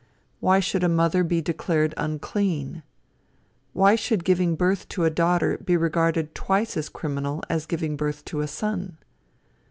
Why should a mother be declared unclean? Why should giving birth to a daughter be regarded twice as criminal as giving birth to a son?